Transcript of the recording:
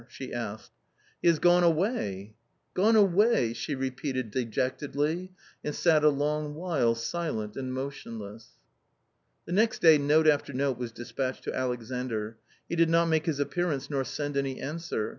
she asked. " He has gone away !"" Gone away !" she repeated dejectedly, and sat a long while silent and motionless. The next day note after note was despatched to Alexandr. He did not make his appearance nor send any answer.